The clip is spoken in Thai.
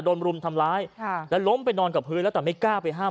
รุมทำร้ายแล้วล้มไปนอนกับพื้นแล้วแต่ไม่กล้าไปห้าม